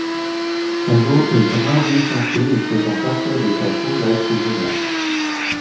Son dos est brun-roux foncé et présente parfois des taches rougeâtres ou jaunâtres.